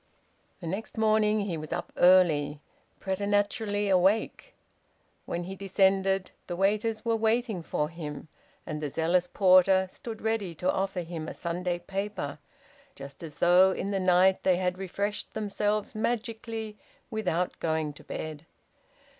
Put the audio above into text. The next morning he was up early, preternaturally awake. When he descended the waiters were waiting for him, and the zealous porter stood ready to offer him a Sunday paper, just as though in the night they had refreshed themselves magically, without going to bed.